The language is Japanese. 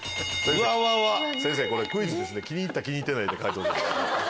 先生これクイズです気に入った気に入ってないって。